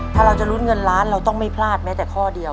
ถ้าเราจะลุ้นเงินล้านเราต้องไม่พลาดแม้แต่ข้อเดียว